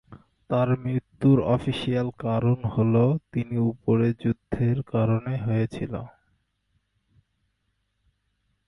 তাঁর মৃত্যুর অফিসিয়াল কারণ হ'ল তিনি উপরে যুদ্ধের কারণে হয়েছিলো।